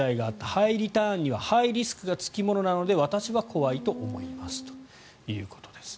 ハイリターンにはハイリスクがつきものなので私は怖いと思いますということです。